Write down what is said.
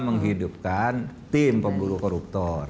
menghidupkan tim pemburu koruptor